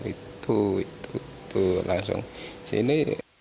itu itu itu langsung sini